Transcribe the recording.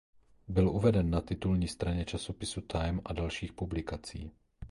Byl uveden na titulní straně časopisu Time a dalších publikací.